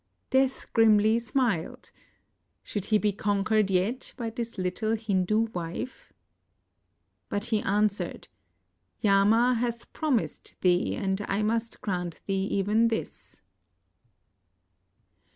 Death grimly smiled. Should he be conquered yet by this Httle Hindu ^ ife? But he answered: "Yama hath promised thee, and I must grant thee even this."